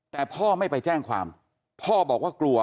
แต่พ่อไม่ไปแจ้งความพ่อบอกว่ากลัว